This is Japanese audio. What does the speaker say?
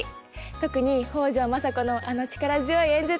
特に北条政子のあの力強い演説。